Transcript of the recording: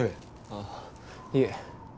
あっいえ。